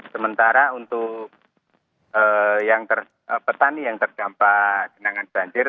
sementara untuk petani yang terdampak genangan banjir